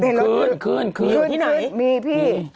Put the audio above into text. หรือนี่ไหนขึ้นมีพี่